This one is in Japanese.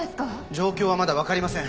状況はまだわかりません。